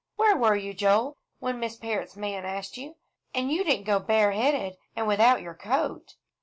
"Where were you, Joel, when Miss Parrott's man asked you? And you didn't go bareheaded, and without your coat?"